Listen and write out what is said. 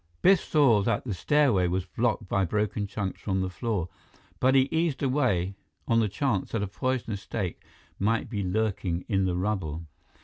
Biff saw that the stairway was blocked by broken chunks from the floor, but he eased away on the chance that a poisonous snake might be lurking in the rubble.